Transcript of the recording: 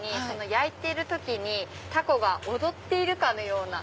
焼いている時にタコが躍っているかのような。